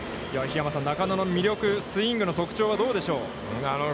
桧山さん、中野の魅力、スイングの特徴はどうでしょうか。